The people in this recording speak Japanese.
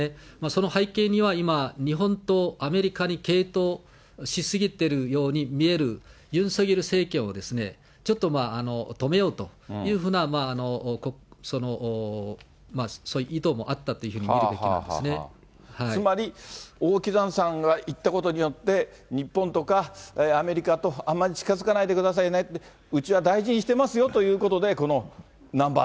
その背景には、今、日本とアメリカに傾倒し過ぎてるように見えるユン・ソンニョル政権を、ちょっと止めようというふうなそういう意図もあったというふうにつまり、王岐山さんが行ったことによって、日本とかアメリカとあんまり近づかないでくださいね、うちは大事にしてますよということで、そうです。